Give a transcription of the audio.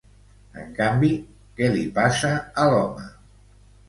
En canvi, què li passa a l'home?